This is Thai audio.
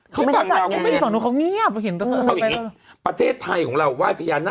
เขาไม่อยากจัดเนี่ย